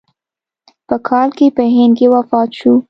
په کال کې په هند کې وفات شو.